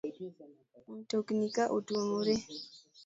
Mtokni ka otuomore, l